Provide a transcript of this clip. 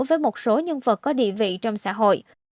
với một số nhân vật có địa vị trong xã hội